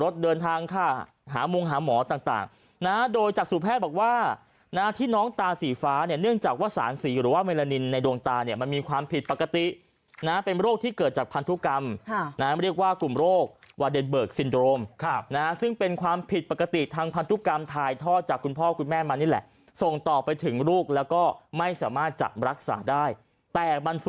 สีฟ้าเนี่ยเนื่องจากว่าสารสีหรือว่าเมลานินในดวงตาเนี่ยมันมีความผิดปกตินะเป็นโรคที่เกิดจากพันธุกรรมนะเรียกว่ากลุ่มโรควาเดนเบิร์กซินโดรมค่ะนะซึ่งเป็นความผิดปกติทางพันธุกรรมทายท่อจากคุณพ่อคุณแม่มันนี่แหละส่งต่อไปถึงลูกแล้วก็ไม่สามารถจับรักษาได้แต่มันฟ